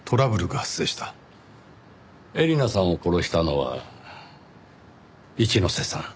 絵里奈さんを殺したのは一之瀬さん